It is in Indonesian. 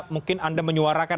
mungkin anda menyuarakan